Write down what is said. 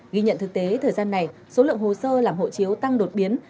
ghi nhận thực tế thời gian này số lượng hồ sơ làm hộ chiếu tăng đột biến